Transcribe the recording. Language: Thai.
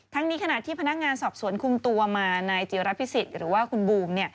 นี้ขณะที่พนักงานสอบสวนคุมตัวมานายจิรพิสิทธิ์หรือว่าคุณบูม